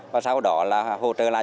và sau đó là hỗ trợ lại